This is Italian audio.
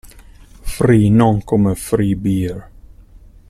Free non come "free beer".